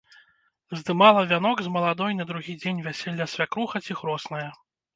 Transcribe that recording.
Здымала вянок з маладой на другі дзень вяселля свякруха ці хросная.